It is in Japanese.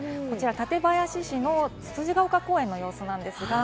館林市のつつじが丘公園の様子です。